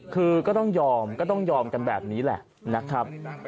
คือก็ต้องยอมก็ต้องยอมกันแบบนี้แหละนะครับ